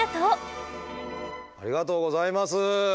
ありがとうございます。